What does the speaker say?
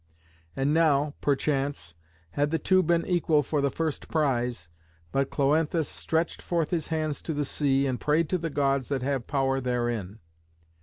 And now, perchance, had the two been equal for the first prize, but Cloanthus stretched forth his hands to the sea and prayed to the Gods that have power therein.